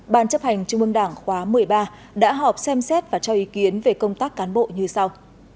ban chấp hành trung mương đảng khóa một mươi ba đã họp xem xét và cho ý kiến về công tác cán bộ như sau